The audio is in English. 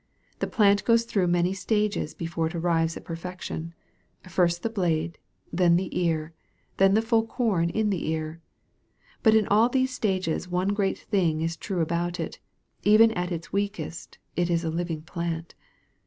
The plant goes through many stages, before it arrives at perfection " first the blade, then the ear, then the full corn in the ear." But in all these stages one great thing is true about it even at its weakest, it is a living plant.